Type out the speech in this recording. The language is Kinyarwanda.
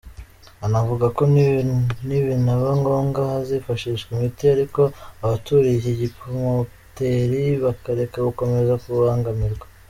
Anavuga ko nibinaba ngombwa hazifashishwa imiti ariko abaturiye iki kimpoteri bakareka gukomeza kubangamirwa.